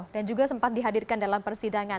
dan juga sempat dihadirkan dalam persidangan